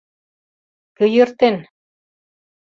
— Кӧ йӧртен?